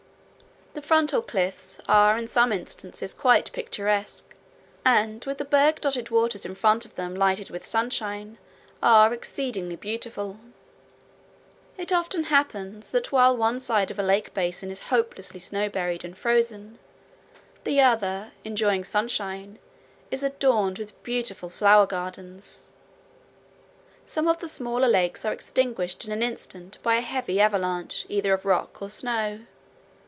The frontal cliffs are in some instances quite picturesque, and with the berg dotted waters in front of them lighted with sunshine are exceedingly beautiful. It often happens that while one side of a lake basin is hopelessly snow buried and frozen, the other, enjoying sunshine, is adorned with beautiful flower gardens. Some of the smaller lakes are extinguished in an instant by a heavy avalanche either of rocks or snow.